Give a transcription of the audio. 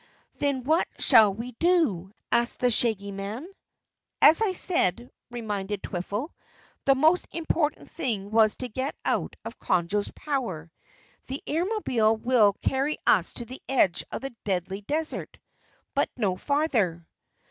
"Then what shall we do?" asked the Shaggy Man. "As I said," reminded Twiffle, "the most important thing was to get out of Conjo's power. The Airmobile will carry us to the edge of the Deadly Desert, but no farther."